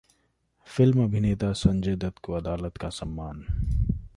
film अभिनेता संजय दत्त को अदालत का सम्मन